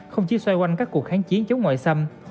không chỉ xoay quanh các cuộc kháng chiến chống ngoại xâm